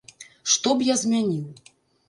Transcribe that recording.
Што б я змяніў?